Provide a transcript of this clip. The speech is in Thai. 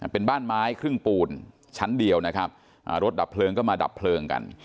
เป็นบ้านไม้ครึ่งปูนชั้นเดียวนะครับรถดับเพลิงก็มาดับเพลิงกัน